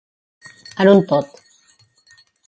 En un tot.